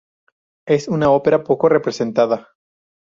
Es una ópera poco representada.